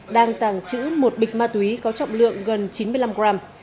đang tàng trữ một bịch ma túy có trọng lượng gần chín mươi năm gram